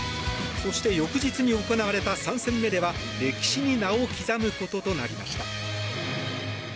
そして、翌日に行われた３戦目では歴史に名を刻むこととなりました。